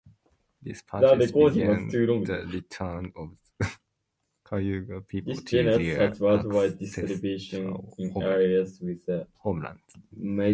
This purchase began the return of the Cayuga People to their ancestral homelands.